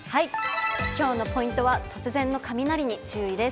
きょうのポイントは突然の雷に注意です。